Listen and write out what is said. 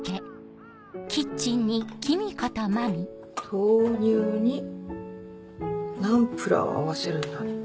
豆乳にナンプラーを合わせるんだって。